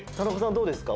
どうですか？